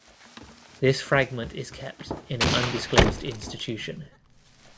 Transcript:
This fragment is kept in an undisclosed institution.